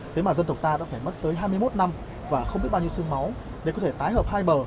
thế mà dân tộc ta đã phải mất tới hai mươi một năm và không biết bao nhiêu sương máu để có thể tái hợp hai bờ